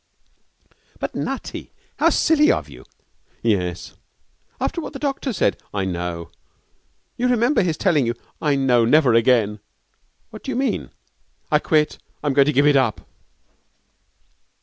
'But, Nutty, how silly of you!' 'Yes.' 'After what the doctor said.' 'I know.' 'You remember his telling you ' 'I know. Never again!' 'What do you mean?' 'I quit. I'm going to give it up.'